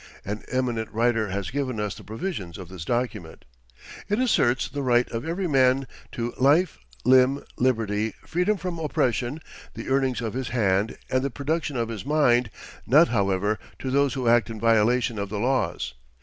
An eminent writer has given us the provisions of this document. It asserts the right of every man to "life, limb, liberty, freedom from oppression, the earnings of his hand, and the productions of his mind, not however, to those who act in violation of the laws.